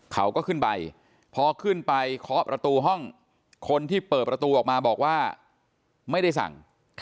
เขาก็ขึ้นไปพอขึ้นไปเคาะประตูห้องคนที่เปิดประตูออกมาบอกว่าไม่ได้สั่ง